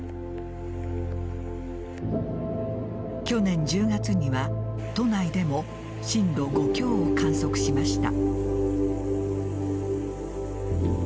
去年１０月には都内でも震度５強を観測しました。